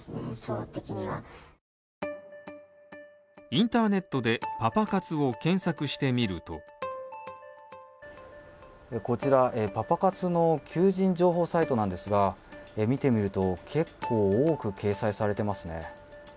インターネットでパパ活を検索してみるとこちらパパ活の求人情報サイトなんですが見てみると結構多く掲載されてますね。